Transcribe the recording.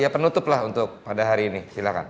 ya penutup lah untuk pada hari ini silahkan